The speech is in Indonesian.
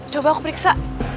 coba aku periksa